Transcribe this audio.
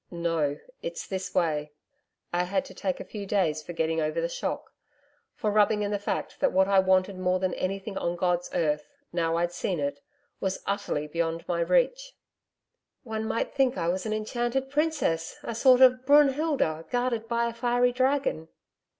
'No, it's this way. I had to take a few days for getting over the shock for rubbing in the fact that what I wanted more than anything on God's earth, now I'd seen it, was utterly beyond my reach.' 'One might think I was an enchanted princess a sort of Brunhilda guarded by a fiery dragon.'